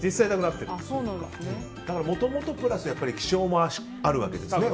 もともとプラス気象もあるわけですね